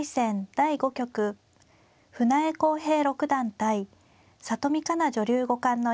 第５局船江恒平六段対里見香奈女流五冠の一戦をお送りします。